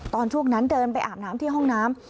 ช่วงนั้นเดินไปอาบน้ำที่ห้องน้ำ